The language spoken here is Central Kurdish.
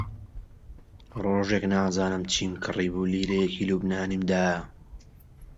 ڕۆژێک نازانم چم کڕیبوو، لیرەیەکی لوبنانیم دایە